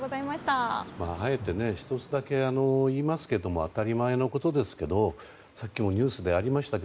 あえて１つだけ言いますと当たり前のことですけどさっきもニュースでありました。